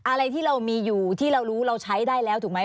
อะไรที่เรามีอยู่ที่เรารู้เราใช้ได้แล้วถูกไหม